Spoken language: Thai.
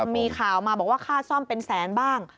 มีข่าวมาบอกว่าค่าซ่อมเป็นแสนบ้าง